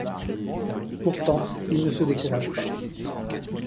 Pourtant il ne se décourage pas.